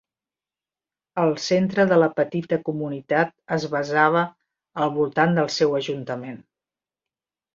El centre de la petita comunitat es basava al voltant del seu ajuntament.